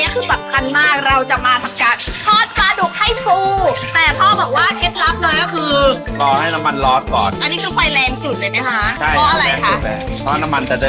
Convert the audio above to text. คือบดรอบเดียวมันก็จะออกแบบนี้เนื้อมันจะฟู